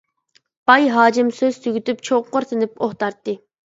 باي ھاجىم سۆز تۈگىتىپ، چوڭقۇر تىنىپ ئۇھ تارتتى.